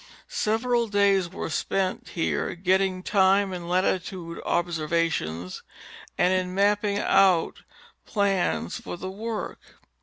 Several days were spent here getting time and latitude observations and in mapping out plans for the work.